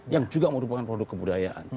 yang juga merupakan produk kebudayaan